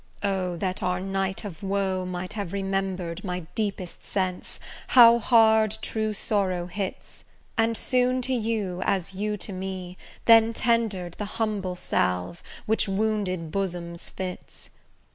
O! that our night of woe might have remember'd My deepest sense, how hard true sorrow hits, And soon to you, as you to me, then tender'd The humble salve, which wounded bosoms fits!